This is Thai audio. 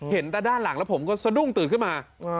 เห็นแต่ด้านหลังแล้วผมก็สะดุ้งตื่นขึ้นมา